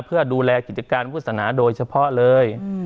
เพื่อดูแลกิจการวุฒนาโดยเฉพาะเลย